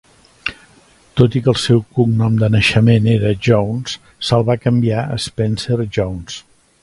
Tot i que el seu cognom de naixement era "Jones", se'l va canviar a "Spencer Jones".